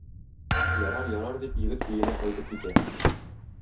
Ярар, ярар, - дип, егет өенә кайтып китә.